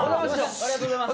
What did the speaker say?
ありがとうございます。